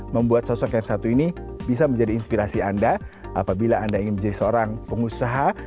membuat sosok yang satu ini bisa menjadi inspirasi anda apabila anda ingin menjadi seorang pengusaha